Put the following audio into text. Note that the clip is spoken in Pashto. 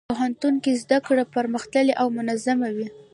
پوهنتون کې زدهکړه پرمختللې او منظمه وي.